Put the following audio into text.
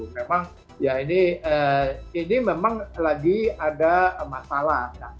memang ya ini memang lagi ada masalah